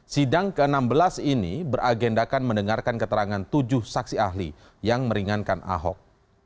sidang ke enam belas ini beragendakan mendengarkan keterangan tujuh saksi ahli yang meringankan ahok